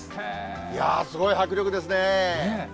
いやー、すごい迫力ですね。